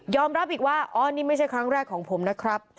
รับอีกว่าอ๋อนี่ไม่ใช่ครั้งแรกของผมนะครับ